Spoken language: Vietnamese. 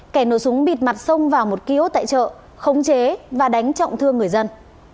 vụ nổ súng bịt mặt sông vào một ký ốt tại chợ khống chế và đánh trọng thương người dân